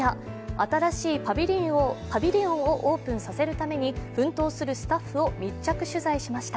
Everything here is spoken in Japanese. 新しいパビリオンをオープンさせるために奮闘するスタッフを密着取材しました。